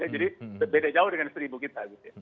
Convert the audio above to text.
jadi beda jauh dengan seribu kita